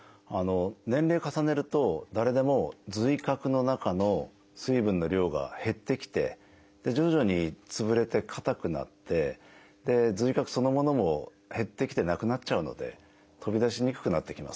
年齢重ねると誰でも髄核の中の水分の量が減ってきて徐々に潰れてかたくなって髄核そのものも減ってきてなくなっちゃうので飛び出しにくくなってきます。